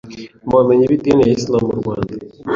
mu bamenyi b’idini ya Islam mu Rwanda